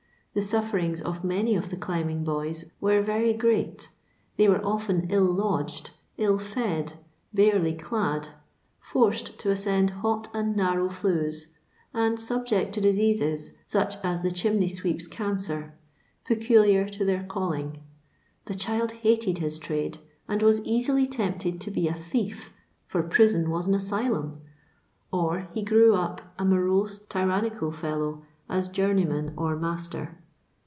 The su^rings of many of the climbing boys wero very great They were often ill lodged, ill fed, barely dad, forced to ascend hot and narrow flues, and subject to diseases — such as the chimney sweeps cancer — peculiar to their calling. The child hated his trade, and was easily tempted to be a thief, for prison was an asylimi ; or he grew up a morose tyrannical fellow as journeyman or master.